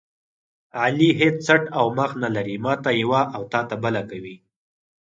علي هېڅ څټ او مخ نه لري، ماته یوه تاته بله کوي.